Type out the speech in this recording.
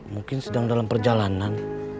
mungkin sedang dalam perjalanan